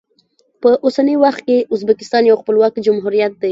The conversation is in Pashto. په اوسني وخت کې ازبکستان یو خپلواک جمهوریت دی.